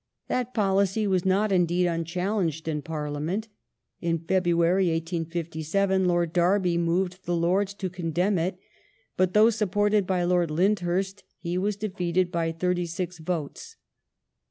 That policy was not indeed unchallenged in Parliament. In February, 1857, Lord Derby moved the Lords to condemn it, but though supported by Lord Lyndhurst he was defeated by thirty six votes.